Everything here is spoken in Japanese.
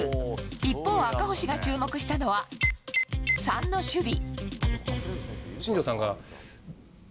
一方、赤星が注目したのは３の守備。